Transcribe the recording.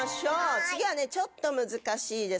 次はね、ちょっと難しいです。